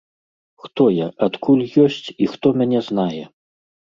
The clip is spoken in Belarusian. Хто я, адкуль ёсць і хто мяне знае?